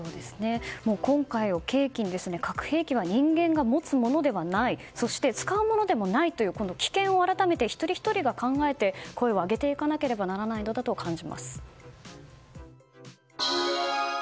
今回を契機に核兵器は人間が持つものではないそして使うものではないという危険を改めて一人ひとりが考えて声を上げていかなきゃと感じます。